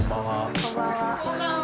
こんばんは。